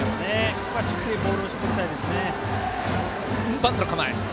ここは、しっかりボールを絞りたいですね。